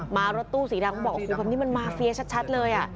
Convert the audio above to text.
มารถตู้สีดังบอกคุณพร้อมนี่มันมาเฟียชัดเลย